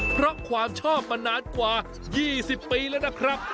เพราะความชอบมานานกว่า๒๐ปีแล้วนะครับ